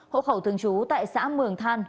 hộ khẩu thường trú tại xã mường than